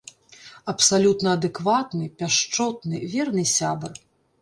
Абсалютна адэкватны, пяшчотны, верны сябар.